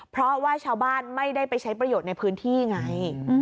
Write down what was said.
เพราะว่าชาวบ้านไม่ได้ไปใช้ประโยชน์ในพื้นที่ไง